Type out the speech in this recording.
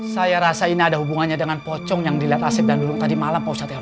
saya rasa ini ada hubungannya dengan pocong yang dilihat asyik dandulung tadi malam pausatero